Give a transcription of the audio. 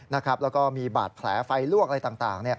แล้วก็มีบาดแผลไฟลวกอะไรต่าง